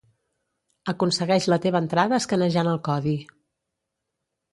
Aconsegueix la teva entrada escanejant el codi